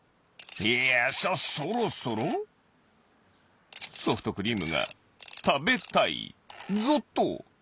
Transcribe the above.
いやそろそろソフトクリームがたべたいぞっと！